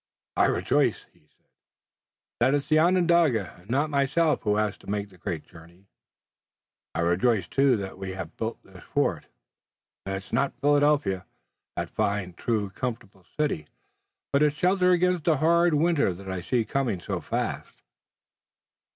"I rejoice," he said, "that it's the Onondaga and not myself who has to make the great journey. I rejoice, too, that we have built this fort. It's not Philadelphia, that fine, true, comfortable city, but it's shelter against the hard winter that I see coming so fast."